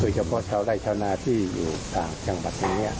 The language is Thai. ส่วนเฉพาะชาวใดชาวนาที่อยู่ทางจังหวัดนี้